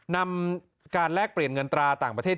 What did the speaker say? นำการแลกเปลี่ยนเงินตราต่างประเทศ